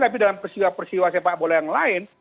tapi dalam persiwa persiwa sepak bola yang lain